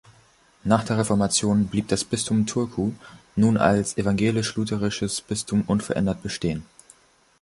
Nach der Reformation blieb das Bistum Turku, nun als evangelisch-lutherisches Bistum, unverändert bestehen.